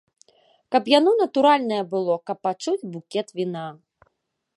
Каб яно натуральнае было, каб адчуць букет віна.